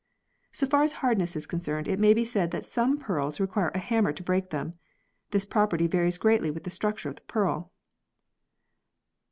So far as hardness is concerned it may be said that some pearls require a hammer to break them. This property varies greatly with the structure of the pearl.